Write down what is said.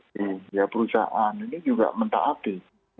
di perusahaan ini juga mentaati